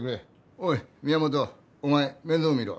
おい宮本お前面倒見ろ。